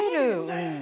うん。